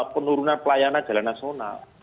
penurunan pelayanan jalan nasional